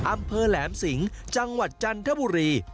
อำเภอแหลมสิงห์จังหวัดจันทบุรี